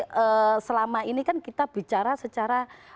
karena selama ini kan kita bicara secara